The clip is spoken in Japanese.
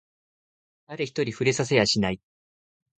誰一人触れさせやしない